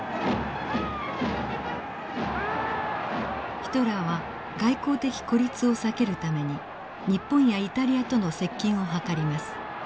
ヒトラーは外交的孤立を避けるために日本やイタリアとの接近を図ります。